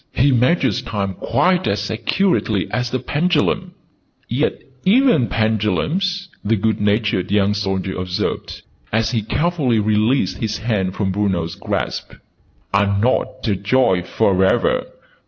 "He measures time quite as accurately as a pendulum!" {Image...'How perfectly isochronous!'} "Yet even pendulums," the good natured young soldier observed, as he carefully released his hand from Bruno's grasp, "are not a joy for ever!